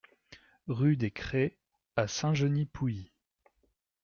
Rue des Crêts à Saint-Genis-Pouilly